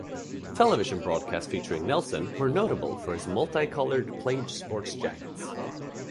Television broadcasts featuring Nelson were notable for his multi-colored plaid sports jackets.